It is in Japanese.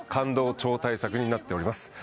超大作になっております